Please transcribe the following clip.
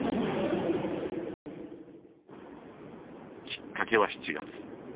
きっかけは７月。